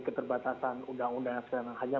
keterbatasan undang undang yang sekarang hanya